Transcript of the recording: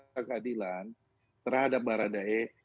keadilan terhadap mbak radhae